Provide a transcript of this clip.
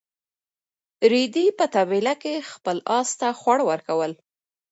رېدي په طبیله کې خپل اس ته خواړه ورکول.